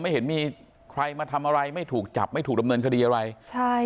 ไม่เห็นมีใครมาทำอะไรไม่ถูกจับไม่ถูกดำเนินคดีอะไรใช่